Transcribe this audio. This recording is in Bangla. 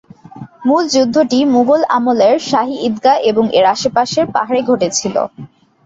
মূল যুদ্ধটি মুঘল আমলের শাহী ঈদগাহ এবং এর আশেপাশের পাহাড়ে ঘটেছিল।